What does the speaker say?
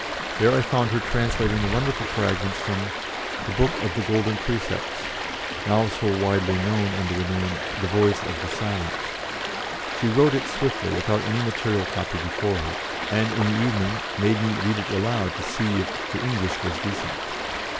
There I found her translating the wonderful fragments from "The Book of the Golden Precepts," now so widely known under the name of "The Voice of the Silence." She wrote it swiftly, without any material copy before her, and in the evening made me read it aloud to see if the "English was decent."